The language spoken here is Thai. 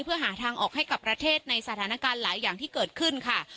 เพื่อหาทางออกให้กับประเทศในสถานการณ์หลายอย่างที่เกิดขึ้นค่ะ